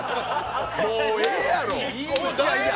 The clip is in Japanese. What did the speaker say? もうええやろ。